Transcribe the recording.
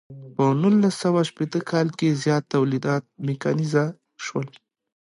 په نولس سوه شپیته کال کې زیات تولیدات میکانیزه شول.